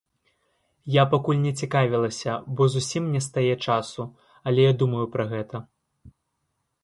Я пакуль не цікавілася, бо зусім не стае часу, але я думаю пра гэта.